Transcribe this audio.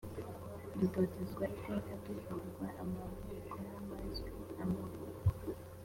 Dutotezwa iteka Duhorwa amavuko N’abazwi amavuko !